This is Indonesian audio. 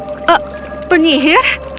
ah ah ah penyihir